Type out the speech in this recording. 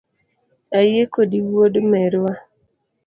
Ayie kodi wuod merwa